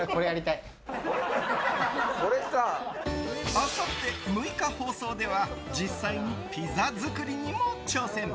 あさって６日放送では実際にピザ作りにも挑戦！